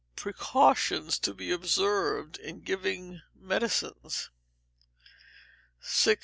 Precautions to be observed in Giving Medicines. 677.